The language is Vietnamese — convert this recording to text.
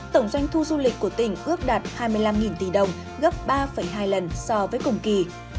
tổng doanh thu du lịch của tỉnh ước đạt hai mươi năm tỷ đồng gấp ba hai lần so với cùng kỳ